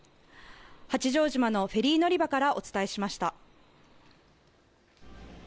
八丈島のフェリー乗り場からお伝えしました。